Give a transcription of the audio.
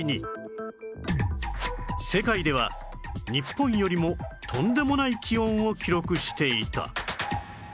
世界では日本よりもとんでもない気温を記録していた